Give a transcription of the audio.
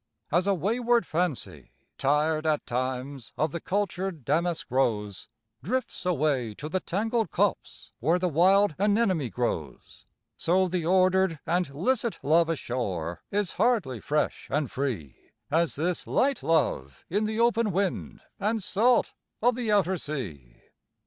As a wayward Fancy, tired at times, of the cultured Damask Rose, Drifts away to the tangled copse, where the wild Anemone grows; So the ordered and licit love ashore, is hardly fresh and free As this light love in the open wind and salt of the outer sea.